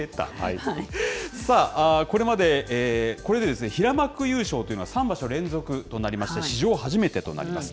これまで、これで平幕優勝というのは、３場所連続となりまして、史上初めてとなります。